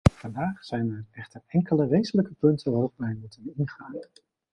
Vandaag zijn er echter enkele wezenlijke punten waarop wij moeten ingaan.